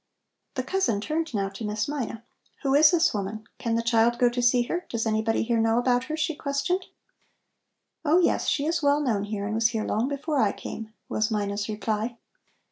The cousin turned now to Miss Mina: "Who is this woman? Can the child go to see her? Does anybody here know about her?" she questioned. "Oh yes, she is well known here and was here long before I came," was Mina's reply.